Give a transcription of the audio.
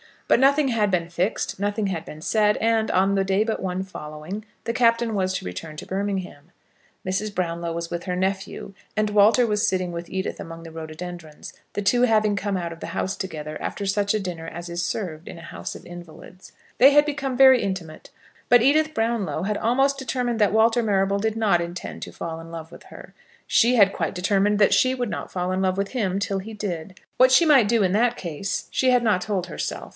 But nothing had been fixed, nothing had been said, and on the day but one following, the captain was to return to Birmingham. Mrs. Brownlow was with her nephew, and Walter was sitting with Edith among the rhododendrons, the two having come out of the house together after such a dinner as is served in a house of invalids. They had become very intimate, but Edith Brownlow had almost determined that Walter Marrable did not intend to fall in love with her. She had quite determined that she would not fall in love with him till he did. What she might do in that case she had not told herself.